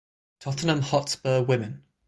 Tottenham Hotspur Women.